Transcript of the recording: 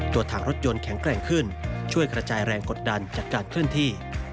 ตัวถังรถยนต์แข็งแกร่งขึ้นช่วยกระจายแรงกดดันจากการเคลื่อนที่